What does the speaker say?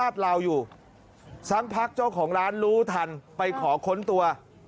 อยู่สักพักเจ้าของร้านรู้ทันไปขอค้นตัว